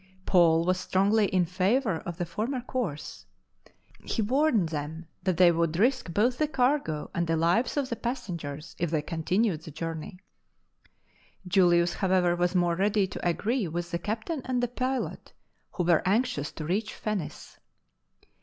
Paul was strongly in favour of the former no LIFE OF ST. PAUL course. He warned them that thejr would risk both the cargo and the lives of the pas sengers if they continued the Journey. Julius, however, was more ready to agree with the captain and the pilot, who were anxious to reach Phenice.